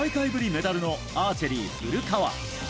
メダルのアーチェリー、古川。